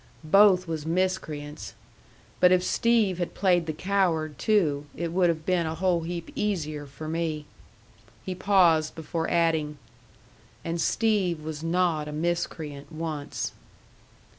"Both was miscreants. But if Steve had played the coward, too, it would have been a whole heap easier for me." He paused before adding, "And Steve was not a miscreant once."